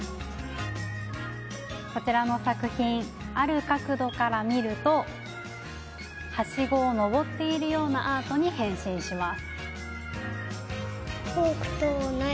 こちらの作品ある角度から見るとはしごを登っているようなアートに変身します。